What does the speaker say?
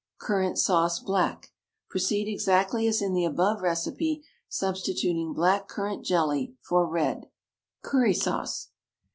CURRANT SAUCE (BLACK). Proceed exactly as in the above recipe, substituting black currant jelly for red. CURRY SAUCE.